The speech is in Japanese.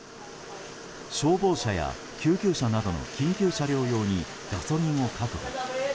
消防車や救急車などの緊急車両用にガソリンを確保。